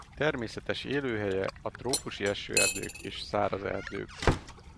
Természetes élőhelye a trópusi esőerdők és száraz erdők.